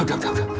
udah udah udah